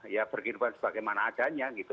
ya berkumpul sebagaimana adanya gitu